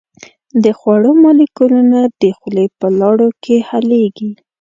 د خوړو مالیکولونه د خولې په لاړو کې حلیږي.